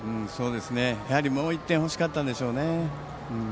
やはり、もう１点欲しかったんでしょうね。